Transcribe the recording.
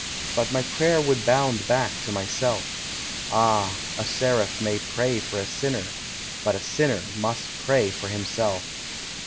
But my prayer would bound back to myself; Ah ! a seraph may pray for a sinner, Hut a sinner must pray for himself.